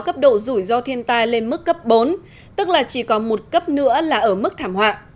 cấp độ rủi ro thiên tai lên mức cấp bốn tức là chỉ còn một cấp nữa là ở mức thảm họa